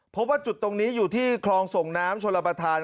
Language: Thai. พบว่าจุดตรงนี้อยู่ที่คลองส่งน้ำโชลประทาน